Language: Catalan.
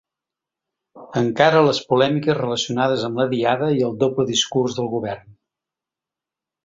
Encara les polèmiques relacionades amb la Diada i el doble discurs del govern.